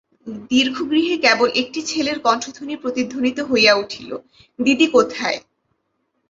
দীর্ঘ গৃহে কেবল একটি ছেলের কণ্ঠধ্বনি প্রতিধ্বনিত হইয়া উঠিল দিদি কোথায়।